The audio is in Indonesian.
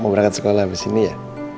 mau berangkat sekolah abis ini ya